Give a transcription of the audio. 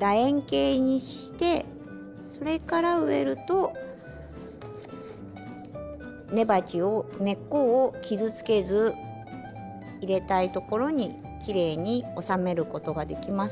円形にしてそれから植えると根鉢を根っこを傷つけず入れたいところにきれいに収めることができますので。